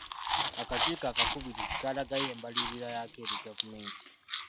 Akakiiko akakubirizi kaalagayo embalirira yako eri gavumenti.